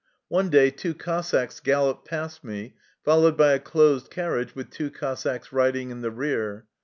One day two Cossacks galloped past ше, followed by a closed carriage with two Cossacks riding in the rear.